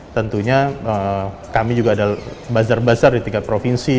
tentunya kami juga ada bazar bazar di tingkat provinsi